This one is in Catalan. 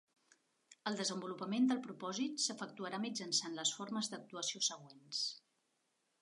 El desenvolupament del propòsit s'efectuarà mitjançant les formes d'actuació següents: